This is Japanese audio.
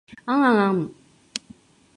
あんあんあ ｎ